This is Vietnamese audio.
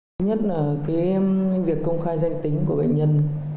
thứ nhất là việc công khai danh tính của bệnh nhân